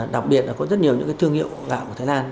đặc biệt là có rất nhiều những cái thương hiệu gạo của thái lan